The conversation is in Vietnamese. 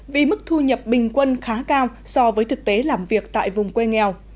vì mức thu nhập bình quân khá cao so với thực tế làm việc tại vùng quê nghèo